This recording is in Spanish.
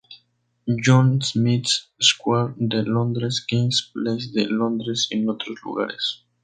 John's Smiths Square de Londres, Kings Place de Londres y en otros lugares.